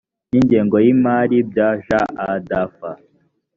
n ingengo y imari bya jadf